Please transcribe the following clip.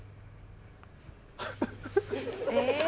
ハハハえ